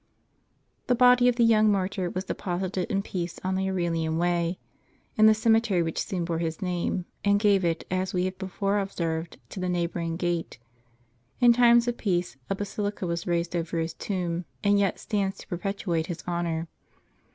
HE body of the young martyr was depos ited in peace on the Aurelian way, in the cemetery which soon bore his name, and gave it, as we have before observed, to the neighboring gate. In times of peace a basilica was raised over his tomb, and yet stands to perpetuate his honor.